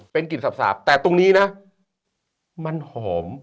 เป็นกลิ่นสาบแต่ตรงนี้นะมันหอม